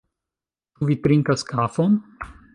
Ĉu vi trinkas kafon?